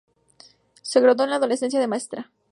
Se graduó en su adolescencia de maestra.